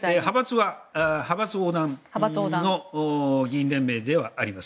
派閥横断の議員連盟ではあります。